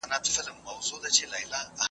دي غونډو به د ولس او دولت ترمنځ واټن کماوه.